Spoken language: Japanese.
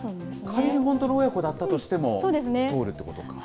仮に本当の親子だったとしても、とおるということか。